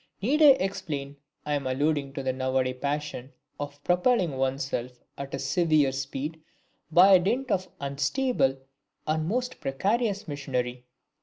Need I explain I am alluding to the nowaday passion for propelling oneself at a severe speed by dint of unstable and most precarious machinery?